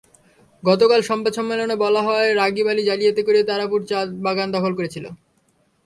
গতকাল সংবাদ সম্মেলনে বলা হয়, রাগীব আলী জালিয়াতি করে তারাপুর চা-বাগান দখল করেছিলেন।